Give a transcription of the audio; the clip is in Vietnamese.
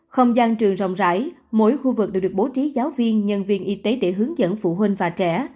không gian trường rộng rãi mỗi khu vực đều được bố trí giáo viên nhân viên y tế để hướng dẫn phụ huynh và trẻ